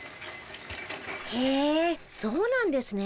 へえそうなんですね。